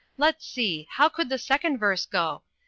Let's see; how could the second verse go?